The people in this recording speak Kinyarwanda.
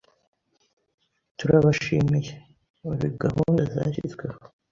Turabashimiye. uri gahunda zashyizweho